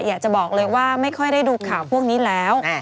อยากจะบอกเลยว่าไม่ค่อยได้ดูข่าวพวกนี้แล้ว